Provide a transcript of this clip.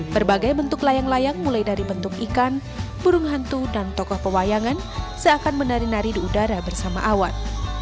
berbagai bentuk layang layang mulai dari bentuk ikan burung hantu dan tokoh pewayangan seakan menari nari di udara bersama awan